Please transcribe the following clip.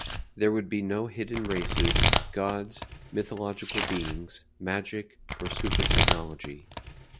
There would be no hidden races, gods, mythological beings, magic, or supertechnology.